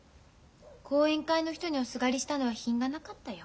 後援会の人におすがりしたのは品がなかったよ。